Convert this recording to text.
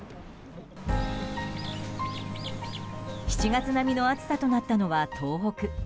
７月並みの暑さとなったのは東北。